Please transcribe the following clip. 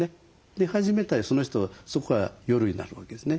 寝始めたらその人そこから夜になるわけですね